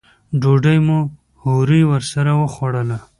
ډوډۍ مو هورې ورسره وخوړله.